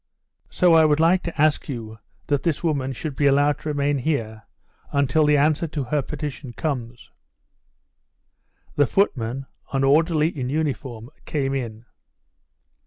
"So I would like to ask you that this woman should be allowed to remain here until the answer to her petition comes." The footman, an orderly in uniform, came in.